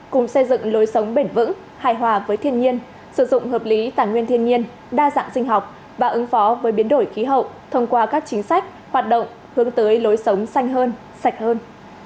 cùng xây dựng lối sống bền vững hài hòa với thiên nhiên sử dụng hợp lý tài nguyên thiên nhiên đa dạng sinh học và ứng phó với biến đổi khí hậu thông qua các chính sách hoạt động hướng tới lối sống xanh hơn sạch hơn